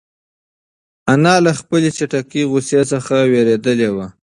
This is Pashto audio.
انا له خپلې چټکې غوسې څخه وېرېدلې وه.